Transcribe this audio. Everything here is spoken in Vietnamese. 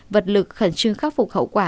vật lực khẩn trương khắc phục khẩu quả